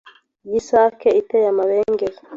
y'isake iteye amabengeza.